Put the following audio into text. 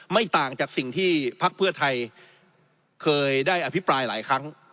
ไม่ต่างจากสิ่งที่พักเพื่อไทยเคยได้อภิปรายหลายครั้ง